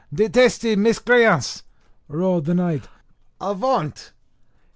"Detested miscreants!" roared the knight; "avaunt!